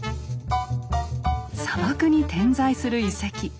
砂漠に点在する遺跡。